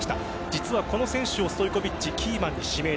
実はこの選手をストイコヴィッチがキーマンに指名。